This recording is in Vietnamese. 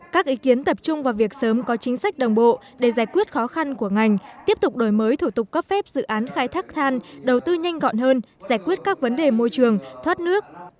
các ý kiến tập trung vào việc sớm có chính sách đồng bộ để giải quyết khó khăn của ngành tiếp tục đổi mới thủ tục cấp phép dự án khai thác than đầu tư nhanh gọn hơn giải quyết các vấn đề môi trường thoát nước